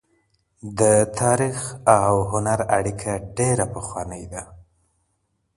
د تاریخ او هنر اړیکه ډېره پخوانۍ ده.